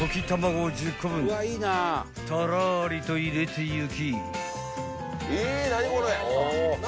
［たらりと入れていき］